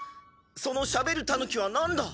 そのしゃべるタヌキはなんだ？